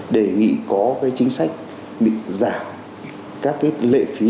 đề nghị có cái chính sách bị giảm các cái lệ phí